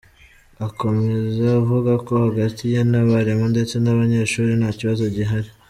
Akomeza avuga ko hagati ye n’abarimu ndetse n’abanyeshuri nta kibazo gihari.